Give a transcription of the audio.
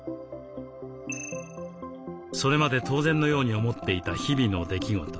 それまで当然のように思っていた日々の出来事